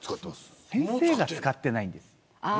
先生が使っていないんです。